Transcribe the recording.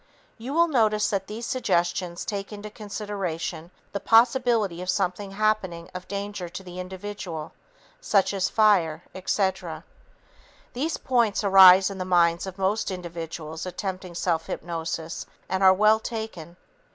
You will notice that these suggestions take into consideration the possibility of something happening of danger to the individual, such as fire, etc. These points arise in the minds of most individuals attempting self hypnosis and are well taken.